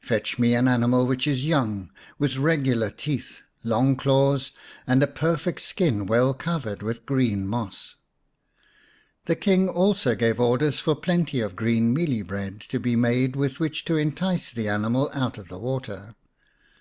Fetch me an animal which is young, with regular teeth, long claws, and a perfect skin well covered with green moss.' 1 199 Nya nya Bulembu; xvn The King also gave orders for plenty of green mealie bread to be made with which to entice the animal out of the water.